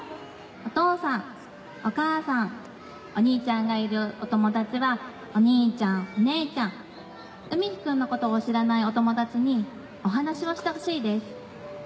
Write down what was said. お父さんお母さんお兄ちゃんがいるお友達はお兄ちゃんお姉ちゃん海陽くんのことを知らないお友達にお話をしてほしいです。